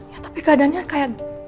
ya tapi keadaannya kayak